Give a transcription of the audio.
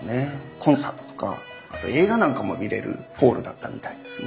コンサートとかあと映画なんかも見れるホールだったみたいですね。